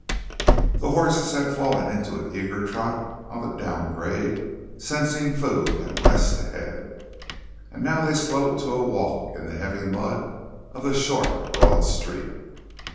The horses had fallen into an eager trot on the down grade, sensing food and rest ahead; now they slowed to a walk in the heavy mud of the short, broad street.